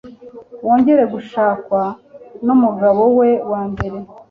wongera gushakwa nu mugabo we wa mbere